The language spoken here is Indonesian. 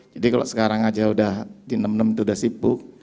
jadi kalau sekarang saja sudah di enam enam puluh tujuh sudah sibuk